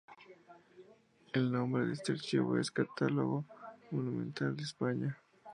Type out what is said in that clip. El nombre de este Archivo es "Catálogo Monumental de España".